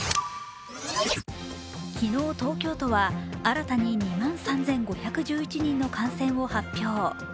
昨日、東京都は新たに２万３５１１人の感染を発表。